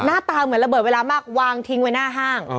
หน้าตาเหมือนระเบิดเวลามากวางทิ้งไว้หน้าห้าง